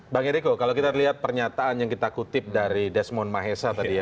bang eriko kalau kita lihat pernyataan yang kita kutip dari desmond mahesa tadi ya